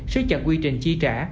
sửa chặt quy trình chi trả